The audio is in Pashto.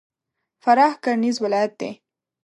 فراه کرهنیز ولایت دی.